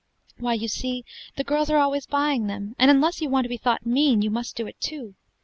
"Why, you see, the girls are always buying them, and unless you want to be thought mean, you must do it too.